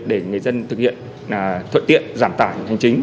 để người dân thực hiện thuận tiện giảm tải hành chính